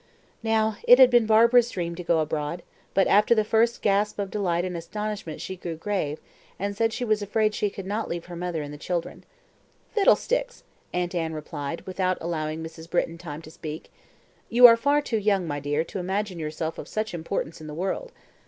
Now, it had been Barbara's dream to go abroad, but after the first gasp of delight and astonishment she grew grave, and said she was afraid she could not leave her mother and the children. "Fiddlesticks!" Aunt Anne replied, without allowing Mrs. Britton time to speak. "You are far too young, my dear, to imagine yourself of such importance in the world.